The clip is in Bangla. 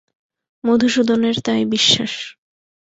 মধুসূদনের তাই বিশ্বাস।